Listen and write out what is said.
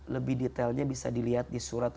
lebih detailnya bisa dilihat di surat